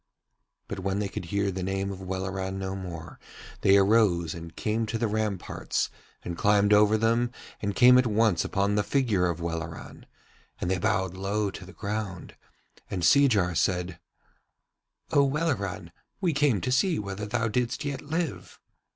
But when they could hear the name of Welleran no more they arose and came to the ramparts and climbed over them and came at once upon the figure of Welleran, and they bowed low to the ground, and Seejar said: 'O Welleran, we came to see whether thou didst yet live.'